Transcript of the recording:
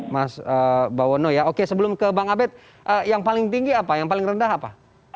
mas bawono ya oke sebelum ke bang abed yang paling tinggi apa yang paling rendah apa